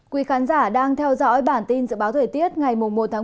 quý khán giả đang theo dõi bản tin dự báo thời tiết ngày một tháng một